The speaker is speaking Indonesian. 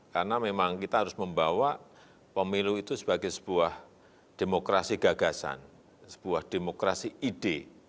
karena memang kita harus membawa pemilu itu sebagai sebuah demokrasi gagasan sebuah demokrasi ide